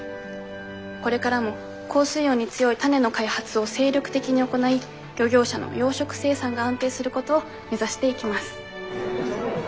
これからも高水温に強い種の開発を精力的に行い漁業者の養殖生産が安定することを目指していきます。